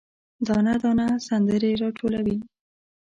دانه، دانه سندرې، راټولوي